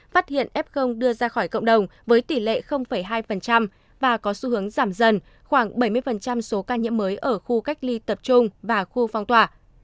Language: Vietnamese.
phát hiện f đưa ra khỏi cộng đồng với tỷ lệ hai và có xu hướng giảm dần khoảng bảy mươi số ca nhiễm mới ở khu cách ly tập trung và khu phong tỏa